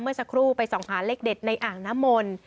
เมื่อสักครู่ไปส่องหาเลขเด็ดในอ่างน้ำมนต์